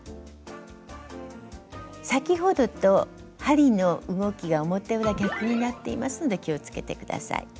先ほどと針の動きが表裏逆になっていますので気をつけて下さい。